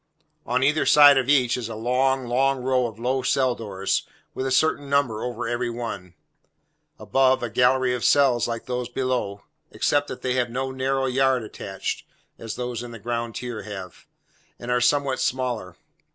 On either side of each, is a long, long row of low cell doors, with a certain number over every one. Above, a gallery of cells like those below, except that they have no narrow yard attached (as those in the ground tier have), and are somewhat smaller.